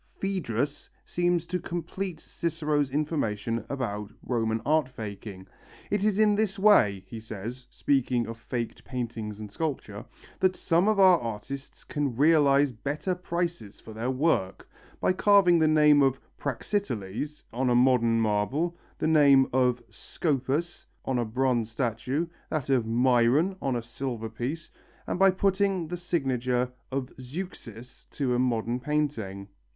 Phœdrus seems to complete Cicero's information about Roman art faking. "It is in this way," he says, speaking of faked paintings and sculpture, "that some of our artists can realize better prices for their work: by carving the name of Praxiteles on a modern marble, the name of Scopas on a bronze statue, that of Myron on a silver piece, and by putting the signature of Zeuxis to a modern painting."